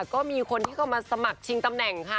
ก็มีคนที่เข้ามาสมัครชิงตำแหน่งค่ะ